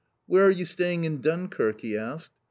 "Where are you staying in Dunkirk?" he asked.